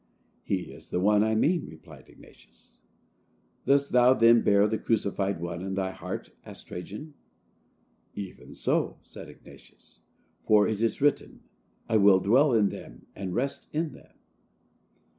"He is the one I mean," replied Ignatius. "Dost thou then bear the crucified one in thy heart?" asked Trajan. "Even so," said Ignatius; "for it is written, 'I will dwell in them and rest in them.